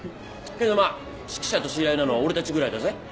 けどまあ指揮者と知り合いなのは俺たちぐらいだぜ。